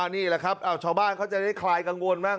นี่แหละครับชาวบ้านเขาจะได้คลายกังวลมาก